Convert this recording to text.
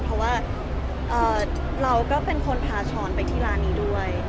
เพราะว่าเราก็เป็นคนพาช้อนไปที่ร้านนี้ด้วย